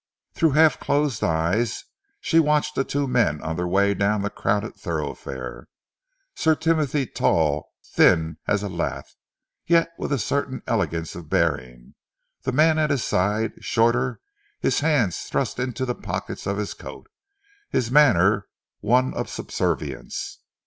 Through half closed eyes she watched the two men on their way down the crowded thoroughfare Sir Timothy tall, thin as a lath, yet with a certain elegance of bearing; the man at his side shorter, his hands thrust into the pockets of his coat, his manner one of subservience.